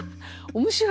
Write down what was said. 面白い！